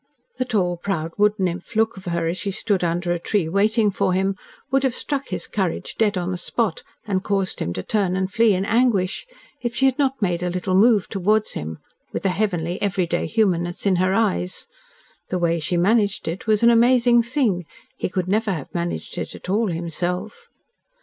The tall, proud, wood nymph look of her as she stood under a tree, waiting for him, would have struck his courage dead on the spot and caused him to turn and flee in anguish, if she had not made a little move towards him, with a heavenly, every day humanness in her eyes. The way she managed it was an amazing thing. He could never have managed it at all himself.